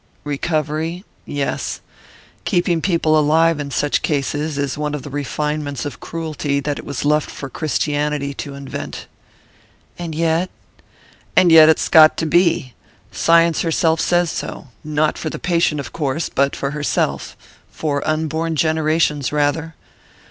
"Recovery? Yes. Keeping people alive in such cases is one of the refinements of cruelty that it was left for Christianity to invent." "And yet ?" "And yet it's got to be! Science herself says so not for the patient, of course; but for herself for unborn generations, rather.